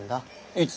いつ？